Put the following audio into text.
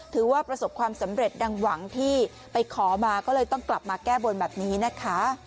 ถือว่าประสบความสำเร็จดังหวังที่ไปขอมาก็เลยต้องกลับมาแก้บนแบบนี้นะคะ